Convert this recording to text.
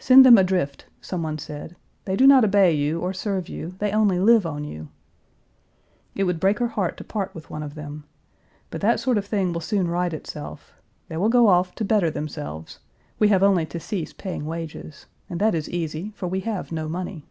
"Send them adrift," some one said, "they do not obey you, or serve you; they only live on you." It would break her heart to part with one of them. But that sort of thing will soon right itself. They will go off to better themselves we have only to cease paying wages and that is easy, for we have no money.